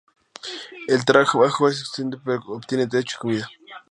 El trabajo es extenuante, pero obtiene techo y comida.